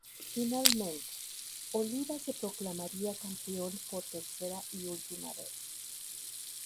Finalmente, Oliva se proclamaría campeón por tercera y última vez.